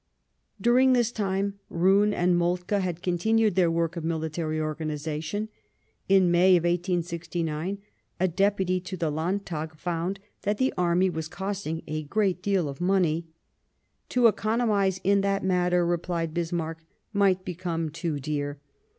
During this time, Roon and Moltke had continued their work of military organization. In May 1869 a Deputy to the Landtag found that the army was costing a great deal of money. " To economize in that matter," replied Bismarck, " might become too dear.